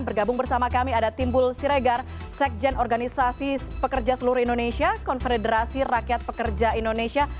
bergabung bersama kami ada timbul siregar sekjen organisasi pekerja seluruh indonesia konfederasi rakyat pekerja indonesia